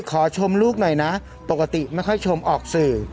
ขอชมลูกหน่อยนะปกติไม่ค่อยชมออกสื่อ